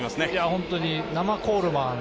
本当に生コールマン